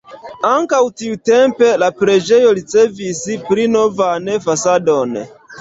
Ankaŭ tiutempe la preĝejo ricevis pli novan fasadon.